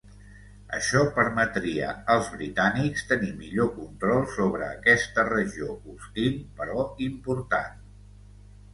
Això permetria als britànics tenir millor control sobre aquesta regió hostil però important.